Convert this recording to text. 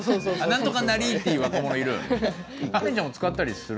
「何とかなり」っていう若者いる？